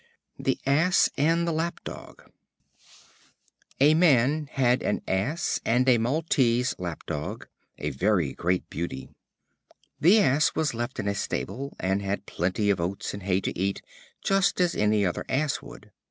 The Ass and the Lap Dog. A man had an Ass and a Maltese Lap dog, a very great beauty. The Ass was left in a stable, and had plenty of oats and hay to eat, just as any other Ass would.